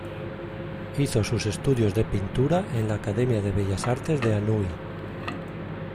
Hizo sus estudios de Pintura en la Academia de Bellas Artes de Anhui.